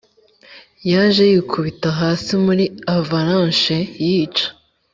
yaje yikubita hasi muri avalanche yica.